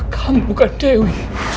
kamu bukan dewi